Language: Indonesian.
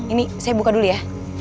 ini saya buka dulu ya